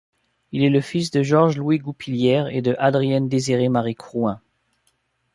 Il est le fils de Georges-Louis Goupillières et de Adrienne Désirée Marie Crouin.